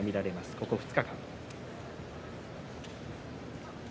この２日間。